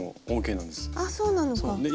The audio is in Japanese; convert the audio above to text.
あっそうなのか。